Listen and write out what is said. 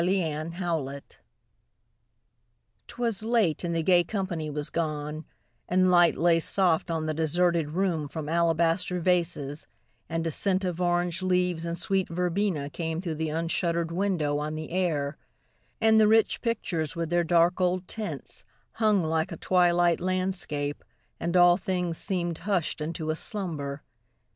THE DECLARATION. 'Twas late, and the gay company was gone, And light lay soft on the deserted room From alabaster vases, and a scent Of orange leaves, and sweet verbena came Through the unshutter'd window on the air, And the rich pictures with their dark old tints Hung like a twilight landscape, and all things Seem'd hush'd into a slumber.